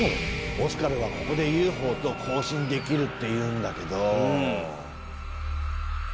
オスカルはここでＵＦＯと交信できるっていうんだけど。